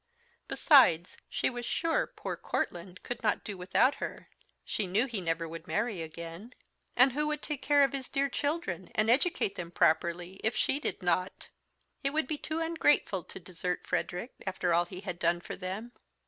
Besides, she was sure poor Courtland could not do without her; she knew he never would marry again; and who would take care of his dear children, and educate them properly, if she did not? It would be too ungrateful to desert Frederick, after all he had done for them.